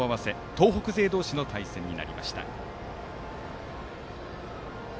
東北勢同士の対戦になりました。